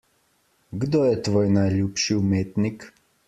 Kdo je tvoj najljubši umetnik?